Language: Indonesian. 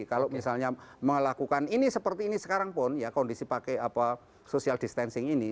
kalau misalnya melakukan ini seperti ini sekarang pun ya kondisi pakai social distancing ini